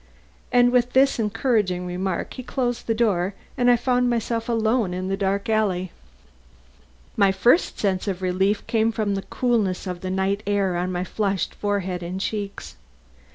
And with this encouraging remark he closed the door and I found myself alone in the dark alley. My first sense of relief came from the coolness of the night air on my flushed forehead and cheeks.